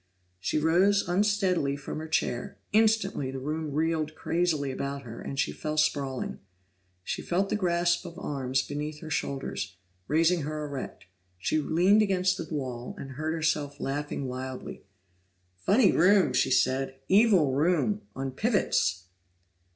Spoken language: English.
She rose unsteadily from her chair; instantly the room reeled crazily about her and she fell sprawling. She felt the grasp of arms beneath her shoulders, raising her erect; she leaned against the wall and heard herself laughing wildly. "Funny room!" she said. "Evil room on pivots!"